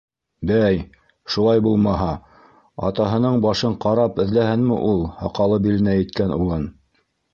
Бәй, шулай булмаһа, атаһының башын ҡарап эҙләһенме ул һаҡалы биленә еткән улын?